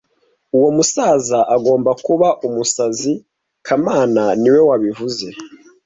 Uwo musaza agomba kuba umusazi kamana niwe wabivuze